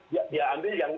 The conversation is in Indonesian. dia ambil yang minimal gitu